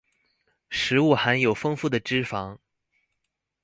食物含有豐富的脂肪